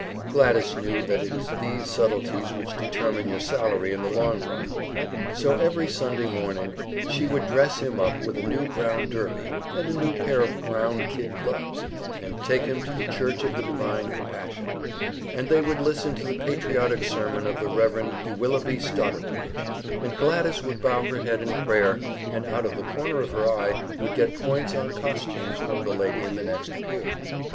Gladys knew that it is these subtleties which determine your salary in the long run; so every Sunday morning she would dress him up with a new brown derby and a new pair of brown kid gloves, and take him to the Church of the Divine Compassion, and they would listen to the patriotic sermon of the Rev. de Willoughby Stotterbridge, and Gladys would bow her head in prayer, and out of the corner of her eye would get points on costumes from the lady in the next pew.